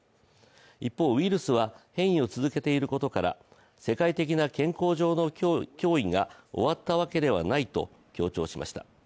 一方、ウイルスは変異を続けていることから、世界的な健康上の脅威が終わったわけではないと強調しました。